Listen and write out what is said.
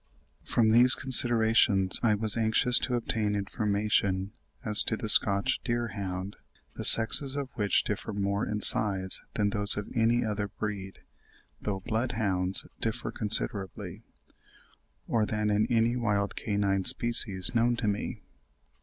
From these considerations I was anxious to obtain information as to the Scotch deer hound, the sexes of which differ more in size than those of any other breed (though blood hounds differ considerably), or than in any wild canine species known to me.